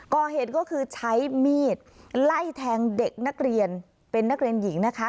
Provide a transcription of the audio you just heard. ก่อเหตุก็คือใช้มีดไล่แทงเด็กนักเรียนเป็นนักเรียนหญิงนะคะ